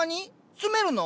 住めるの？